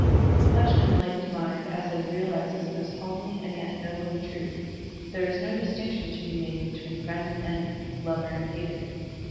In such an enlightened mind as has realized this most homely and yet most ennobling truth, there is no distinction to be made* between friend and enemy, lover and hater.